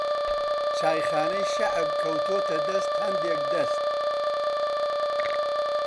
چایخانەی شەعب کەوتۆتە دەست ھەندێک دەست